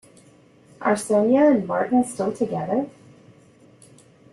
Are Sonia and Martin still together?